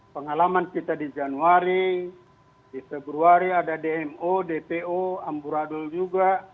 pengalaman kita di januari di februari ada dmo dpo amburadul juga